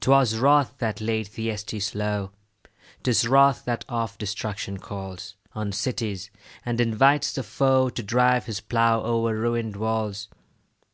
'Twas wrath that laid Thyestes low; 'Tis wrath that oft destruction calls On cities, and invites the foe To drive his plough o'er ruin'd walls.